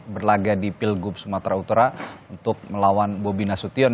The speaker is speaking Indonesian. berlaga di pilgub sumatera utara untuk melawan bobi nasution